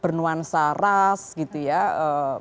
bernuansa ras gitu ya